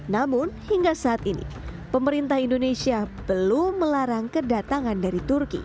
namun hingga saat ini pemerintah indonesia belum melarang kedatangan dari turki